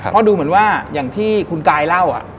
เพราะดูเหมือนว่าอย่างที่คุณกายเล่า